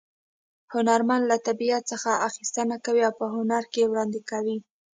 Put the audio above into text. هنرمن له طبیعت څخه اخیستنه کوي او په هنر کې یې وړاندې کوي